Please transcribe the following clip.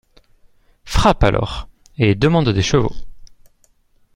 Frappe alors, et demande des chevaux.